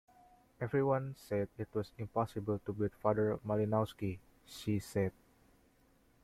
"Everyone said it was impossible to beat Father Malinowski," she said.